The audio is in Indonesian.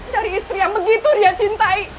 dari istri yang begitu dia cintai